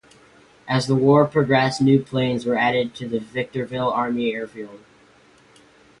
As the war progressed new planes were added to the Victorville Army Airfield.